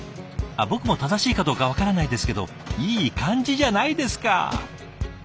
僕も正しいかどうか分からないですけどいい感じじゃないですか！